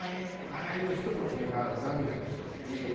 笑いの人もいればお涙の人もいるし。